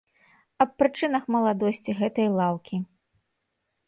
Аб прычынах маладосці гэтай лаўкі.